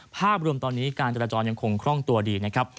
ภาพรวมตอนนี้การจราจรยังคงคล่องตัวดีนะครับ